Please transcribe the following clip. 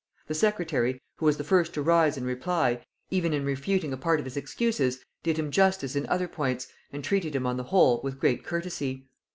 The secretary, who was the first to rise in reply, even in refuting a part of his excuses, did him justice in other points, and treated him on the whole with great courtesy.